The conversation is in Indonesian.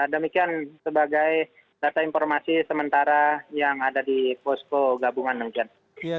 demikian sebagai data informasi sementara yang ada di posko gabungan demikian